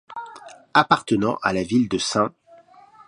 Appartenant à la ville de St.